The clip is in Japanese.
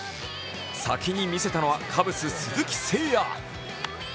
先に見せたのはカブス・鈴木誠也。